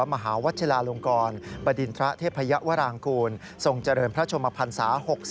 มหาวัชลาลงกรประดินทะเทพยวรางกูลส่งเฉลิมพระชมพันศา